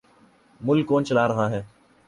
ملک کون چلا رہا ہے؟